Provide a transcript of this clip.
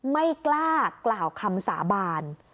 ไม่กล้ากล่าวคำสาบาน